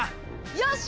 よし！